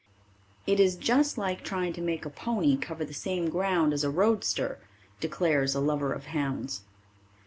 It is just like trying to make a pony cover the same ground as a roadster, declares a lover of hounds.